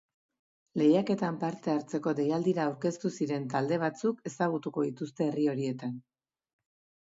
Lehiaketan parte hartzeko deialdira aurkeztu ziren talde batzuk ezagutuko dituzte herri horietan.